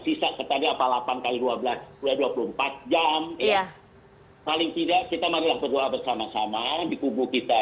bisa ketanya apa lapan kali dua belas dua puluh empat jam ya paling tidak kita menjaga berdoa bersama sama di kubu kita